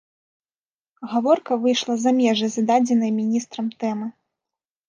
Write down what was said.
Гаворка выйшла за межы зададзенай міністрам тэмы.